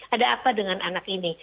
ada apa dengan anak ini